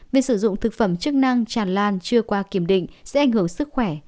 việc sử dụng thực phẩm chức năng tràn lan chưa qua kiểm định sẽ ảnh hưởng sức khỏe